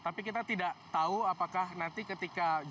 jadi kita tidak tahu apakah jalur non tol ini akan lebih panjang atau tidak